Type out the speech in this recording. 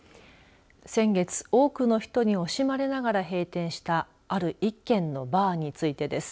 先月、多くの人に惜しまれながら閉店したある１軒のバーについてです。